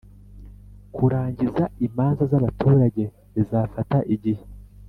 Kurangiza imanza z’abaturge bizafata igihe